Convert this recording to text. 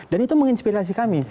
dan itu menginspirasi kami